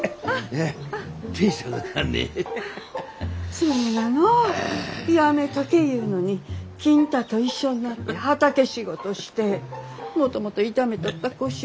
それがのうやめとけ言うのに金太と一緒になって畑仕事してもともと痛めとった腰ゅ